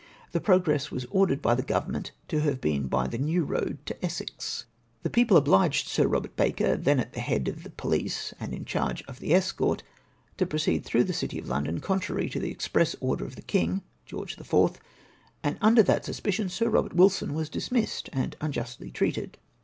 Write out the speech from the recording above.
The progress was ordered l)y tbe Grovernment to have been by the New Eoad to Essex. The people obliged Sir Eobert Baker, then at tbe bead of the police and in charge of tbe escort, to proceed through the City of London, contrary to tbe express order of the King (George tbe Fourth), and under that suspicion Sir Eobert Wilson was dismissed and unjustly treated.